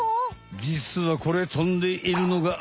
じつはこれ飛んでいるのがアザラシ。